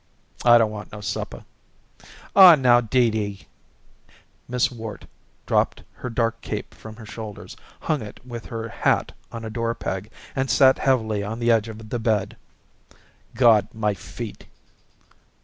"I don't want no supper." "Aw, now, Dee Dee!" Miss Worte dropped her dark cape from her shoulders, hung it with her hat on a door peg, and sat heavily on the edge of the bed. "God! my feet!"